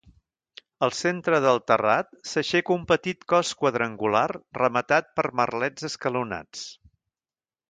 Al centre del terrat s'aixeca un petit cos quadrangular rematat per merlets escalonats.